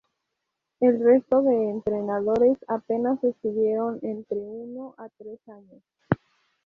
El resto de entrenadores apenas estuvieron entre uno a tres años.